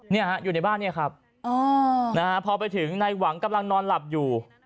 นี่ฮะอยู่ในบ้านนี่ครับพอไปถึงนายหวังกำลังนอนหลับอยู่